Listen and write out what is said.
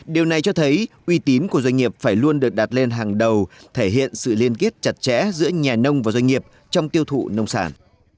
điều này cho thấy uy tín của doanh nghiệp phải luôn được đặt lên hàng đầu thể hiện sự liên kết chặt chẽ giữa nhà nông và doanh nghiệp trong tiêu thụ nông sản